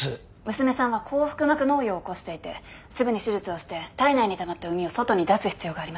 娘さんは後腹膜膿瘍を起こしていてすぐに手術をして体内にたまったうみを外に出す必要があります。